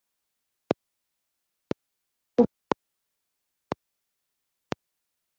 Ntiwigeze ureba muri ubwo buryo nuko aragenda